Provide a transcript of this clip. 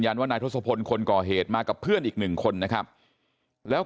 ว่านายทศพลคนก่อเหตุมากับเพื่อนอีกหนึ่งคนนะครับแล้ว